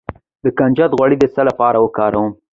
د کنجد غوړي د څه لپاره وکاروم؟